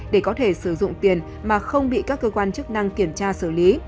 để có thể sử dụng tiền mà không bị các cơ quan chức năng kiểm tra xử lý